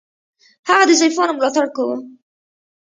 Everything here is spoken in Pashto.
هغه د ضعیفانو ملاتړ کاوه.